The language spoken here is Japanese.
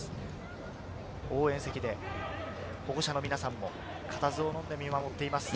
応援席で保護者の皆さんもかたずをのんで見守っています。